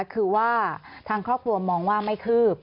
คือว่าทางครอบครัวมองว่าไม่คืบ